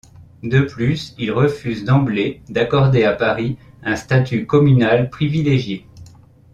De plus, il refuse d'emblée d'accorder à Paris un statut communal privilégié.